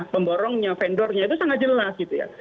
pemborongnya vendornya itu sangat jelas gitu ya